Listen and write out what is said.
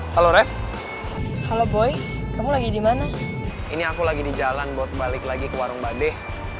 halo ref halo boy kamu lagi di mana ini aku lagi di jalan buat balik lagi ke warung bade